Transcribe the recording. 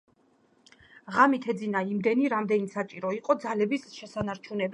ღამით ეძინა იმდენი, რამდენიც საჭირო იყო ძალების შესანარჩუნებლად.